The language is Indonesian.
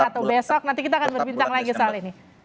atau besok nanti kita akan berbincang lagi soal ini